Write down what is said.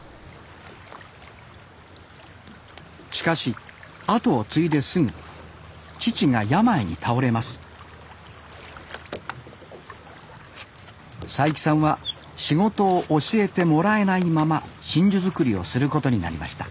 しかし後を継いですぐ父が病に倒れます齋木さんは仕事を教えてもらえないまま真珠作りをすることになりました